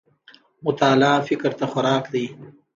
مطالعه فکر ته خوراک دی